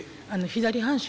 左半身？